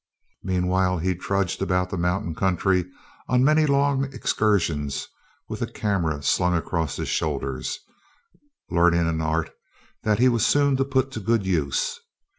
Meanwhile he trudged about the mountain country on many a long excursion, with a camera slung across his shoulders, learning an art that he was soon to put to good use.